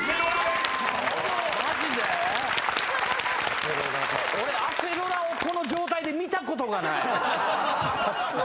マジで⁉俺「アセロラ」をこの状態で見たことがない。